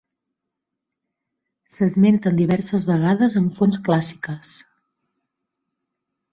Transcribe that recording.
S'esmenten diverses vegades en fonts clàssiques.